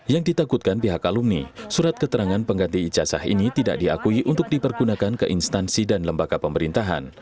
yang ditakutkan pihak alumni surat keterangan pengganti ijazah ini tidak diakui untuk dipergunakan ke instansi dan lembaga pemerintahan